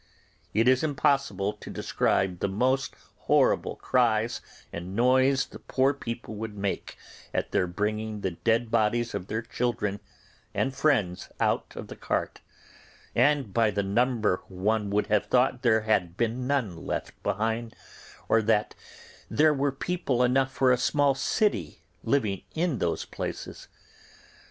It is impossible to describe the most horrible cries and noise the poor people would make at their bringing the dead bodies of their children and friends out of the cart, and by the number one would have thought there had been none left behind, or that there were people enough for a small city living in those places.